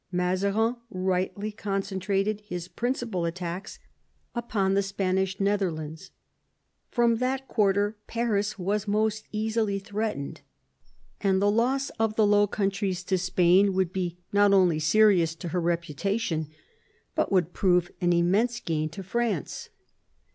Mazarin rightly concentrated his principal attacks upon the Spanish Netherlands. 24 MAZARIN chap. From that quarter Paris was most easily threatened, and the loss of the Low Countries to Spain would be not only serious to her reputation, but would prove an immense gain to France.